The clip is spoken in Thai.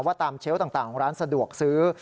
ตามเชลล์ต่างของร้านสะดวกซื้อ